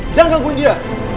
jangan gangguin dia